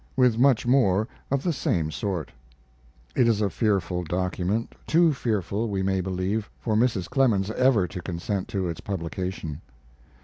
With much more of the same sort. It is a fearful document, too fearful, we may believe, for Mrs. Clemens ever to consent to its publication.